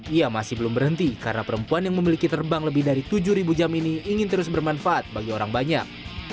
ia masih belum berhenti karena perempuan yang memiliki terbang lebih dari tujuh jam ini ingin terus bermanfaat bagi orang banyak